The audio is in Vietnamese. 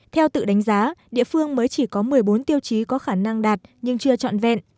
theo tự đánh giá địa phương mới chỉ có một mươi bốn tiêu chí có khả năng đạt nhưng chưa trọn vẹn